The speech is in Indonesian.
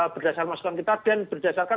berdasarkan masukan kita dan berdasarkan